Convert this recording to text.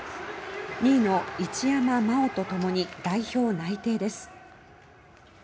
２位の一山麻緒とともに代表内定です。